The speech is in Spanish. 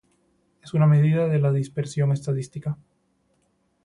Es una medida de la dispersión estadística.